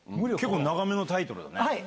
長めのタイトルだね。